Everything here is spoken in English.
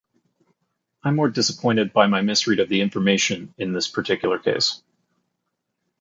I'm more disappointed by my misread of the information in this particular case.